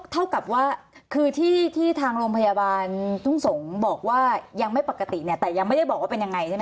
เท่ากับว่าคือที่ทางโรงพยาบาลทุ่งสงศ์บอกว่ายังไม่ปกติเนี่ยแต่ยังไม่ได้บอกว่าเป็นยังไงใช่ไหม